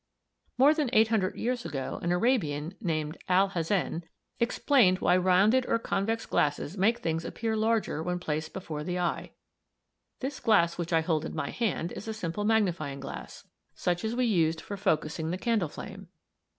More than 800 years ago an Arabian, named Alhazen, explained why rounded or convex glasses make things appear larger when placed before the eye. This glass which I hold in my hand is a simple magnifying glass, such as we used for focusing the candle flame.